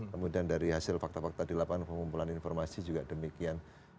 kemudian dari hasil fakta fakta di lapangan pengumpulan informasi juga demikian